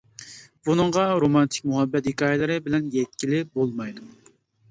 بۇنىڭغا رومانتىك مۇھەببەت ھېكايىلىرى بىلەن يەتكىلى بولمايدۇ.